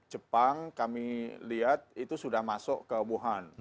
jepang kami lihat itu sudah masuk ke wuhan